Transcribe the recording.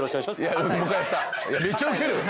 めっちゃウケる